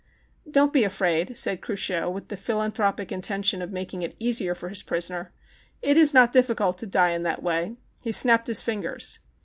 "Don't be afraid," said Cruchot, with the philanthropic intention of making it easier fci his prisoner. "It is not difficult to die that way." He snapped his fingers.